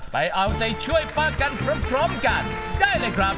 ไปเอาใจช่วยป้ากันพร้อมกันได้เลยครับ